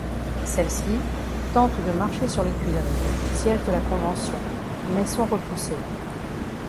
Celles-ci tentent de marcher sur les Tuileries, siège de la Convention, mais sont repoussées.